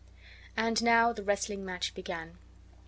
And now the wrestling match began.